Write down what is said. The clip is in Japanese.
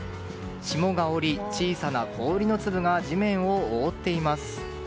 霜が降り、小さな氷の粒が地面を覆っています。